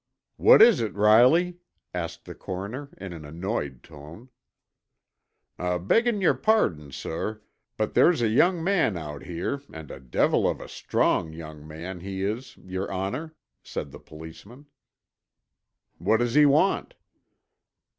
"What is it, Riley?" asked the coroner in an annoyed tone. "Beggin' yer pardon, sorr, but there's a young man out here and a divil of a strong young man he is, yer honor," said the policeman. "What does he want?"